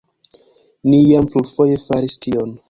Ni jam plurfoje faris tion.